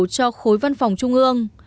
cho khối văn phòng trung ương